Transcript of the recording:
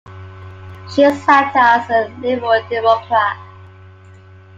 She sat as Liberal Democrat.